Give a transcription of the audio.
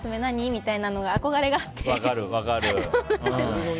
みたいなのに憧れがあって。